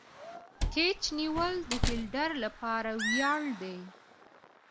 کېچ نیول د فیلډر له پاره ویاړ دئ.